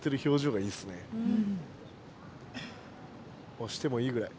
押してもいいぐらい。